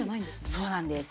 そうなんです。